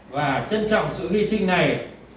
và trân trọng sự hy sinh này